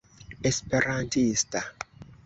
esperantista